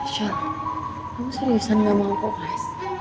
sal lo seriusan ga mau aku guys